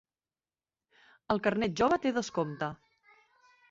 El carnet jove té descompte.